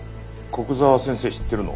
古久沢先生知ってるの？